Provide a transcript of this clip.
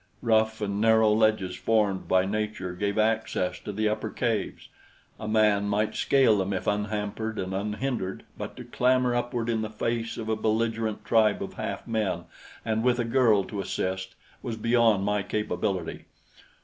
Rough and narrow ledges formed by nature gave access to the upper caves. A man might scale them if unhampered and unhindered, but to clamber upward in the face of a belligerent tribe of half men and with a girl to assist was beyond my capability.